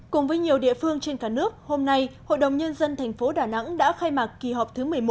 cùng với nhiều địa phương trên cả nước hôm nay hội đồng nhân dân thành phố đà nẵng đã khai mạc kỳ họp thứ một mươi một